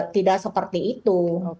tidak seperti itu